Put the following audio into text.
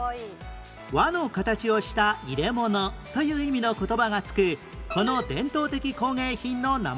輪の形をした入れ物という意味の言葉が付くこの伝統的工芸品の名前は？